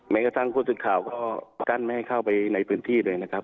แม้กระทั่งผู้สื่อข่าวก็กั้นไม่ให้เข้าไปในพื้นที่เลยนะครับ